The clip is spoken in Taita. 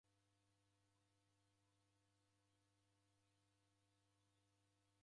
Bakuli na sahani raw'ikwa mezenyi